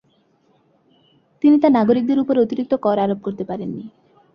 তিনি তার নাগরিকদের উপর অতিরিক্ত কর আরোপ করতে পারেননি।